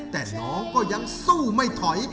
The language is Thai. แต่น้องก็ยังสู้ไม่ถอย